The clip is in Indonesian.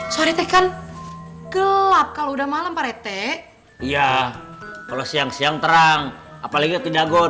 sore tekan gelap kalau udah malam parete iya kalau siang siang terang apalagi tidak god